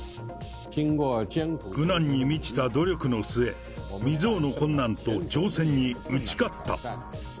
苦難に満ちた努力の末、未曽有の困難と挑戦に打ち勝った。